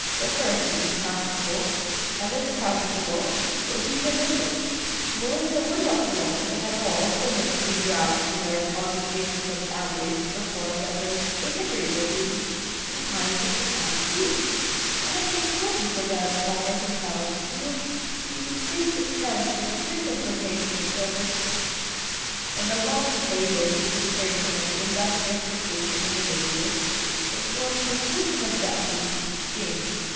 The first is impracticable; and if practicable, would be pernicious. The militia would not long, if at all, submit to be dragged from their occupations and families to perform that most disagreeable duty in times of profound peace. And if they could be prevailed upon or compelled to do it, the increased expense of a frequent rotation of service, and the loss of labor and disconcertion of the industrious pursuits of individuals, would form conclusive objections to the scheme.